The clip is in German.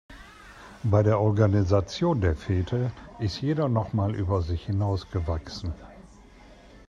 Bei der Organisation der Fete ist jeder noch mal über sich hinaus gewachsen.